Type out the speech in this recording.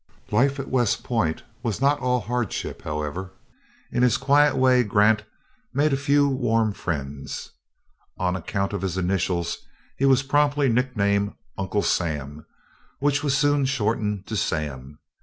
Life at West Point was not all hardship, however. In his quiet way Grant made a few warm friends. On account of his initials he was promptly nicknamed "Uncle Sam," which was soon shortened to "Sam."